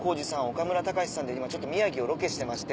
岡村隆史さんで今ちょっと宮城をロケしてまして。